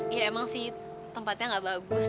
ya emang sih tempatnya nggak bagus